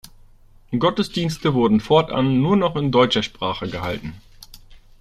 Gottesdienste wurden fortan nur noch in deutscher Sprache gehalten.